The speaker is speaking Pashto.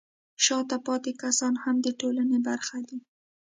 شاته پاتې کسان هم د ټولنې برخه دي.